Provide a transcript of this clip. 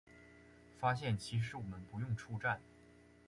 发现其实我们不用出站